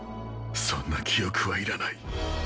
そんな記憶はいらない。